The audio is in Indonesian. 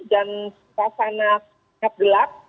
dan pasangan gelap